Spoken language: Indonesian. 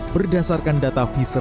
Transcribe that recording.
berdasarkan data viser